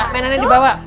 mainannya di bawah